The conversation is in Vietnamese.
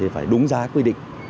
phải đúng giá quy định